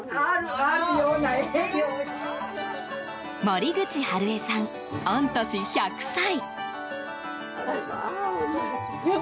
森口晴枝さん、御年１００歳。